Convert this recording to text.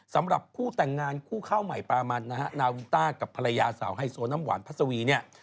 สำหรับคู่แต่งงานคู่ข้าวใหม่ปลามันนะฮะนาวินต้ากับภรรยาสาวไฮโซน้ำหวานพัสวีเนี่ย